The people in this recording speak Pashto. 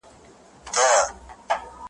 خو د هري یوې بېل جواب لرمه ,